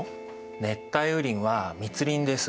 熱帯雨林は密林です。